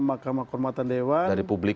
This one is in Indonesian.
mahkamah kormatan dewan